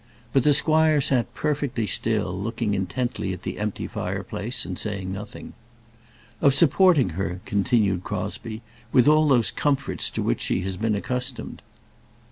But the squire sat perfectly still, looking intently at the empty fireplace and saying nothing. "Of supporting her," continued Crosbie, "with all those comforts to which she has been accustomed."